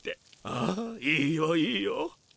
ああいいよいいよ。